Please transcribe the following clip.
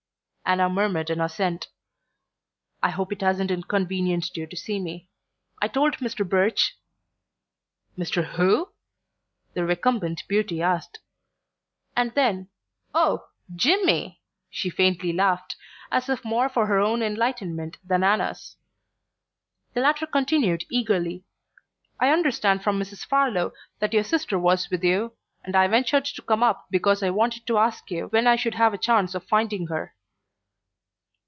Anna murmured an assent. "I hope it hasn't inconvenienced you to see me; I told Mr. Birch " "Mr. WHO?" the recumbent beauty asked; and then: "Oh, JIMMY!" she faintly laughed, as if more for her own enlightenment than Anna's. The latter continued eagerly: "I understand from Mrs. Farlow that your sister was with you, and I ventured to come up because I wanted to ask you when I should have a chance of finding her."